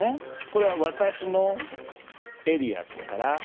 これは私のエリアですから。